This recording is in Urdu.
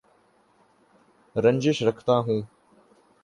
رنجش رکھتا ہوں